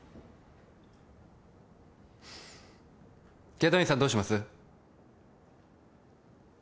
祁答院さんどうします？